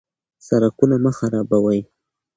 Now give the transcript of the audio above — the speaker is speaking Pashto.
سرکونه مه خرابوئ.